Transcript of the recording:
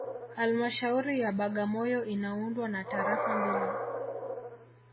Halmashauri ya Bagamoyo inaundwa na tarafa mbili